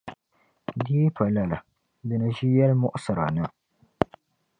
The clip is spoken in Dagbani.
di yi pa lala di ni ʒi yɛli' muɣisira na.